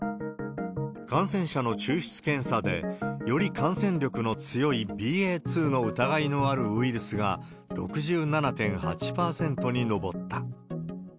感染者の抽出検査で、より感染力の強いＢＡ．２の疑いのあるウイルスが６７．８％に上った。